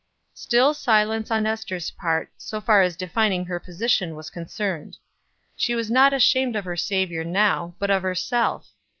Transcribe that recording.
Still silence on Ester's part, so far as defining her position was concerned. She was not ashamed of her Savior now, but of herself.